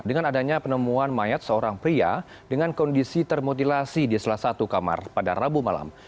dengan adanya penemuan mayat seorang pria dengan kondisi termutilasi di salah satu kamar pada rabu malam